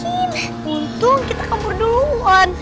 untung kita kabur duluan